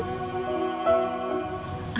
nggak mikir di petai